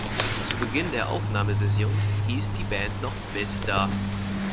Zu Beginn der Aufnahmesessions hieß die Band noch "Mr.